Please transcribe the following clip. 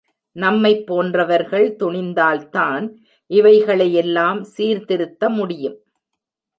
நம்மைப் போன்றவர்கள் துணிந்தால்தான், இவைகளை யெல்லாம் சீர்திருத்த முடியும்.